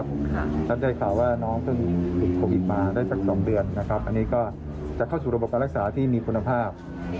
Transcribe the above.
รับใจข่าวว่าน้องก็มีโควิดมาได้สักสองเดือนนะครับอันนี้ก็จะเข้าสู่ระบบการรักษาที่มีคุณภาพ